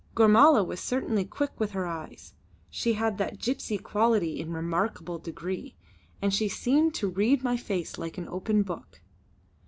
Gormala was certainly quick with her eyes she had that gypsy quality in remarkable degree and she seemed to read my face like an open book.